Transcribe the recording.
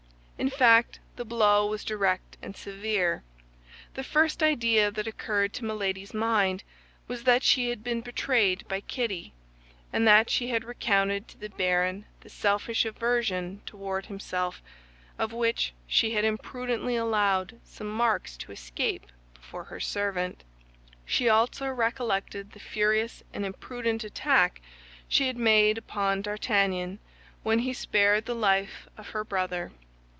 In fact, the blow was direct and severe. The first idea that occurred to Milady's mind was that she had been betrayed by Kitty, and that she had recounted to the baron the selfish aversion toward himself of which she had imprudently allowed some marks to escape before her servant. She also recollected the furious and imprudent attack she had made upon D'Artagnan when he spared the life of her brother.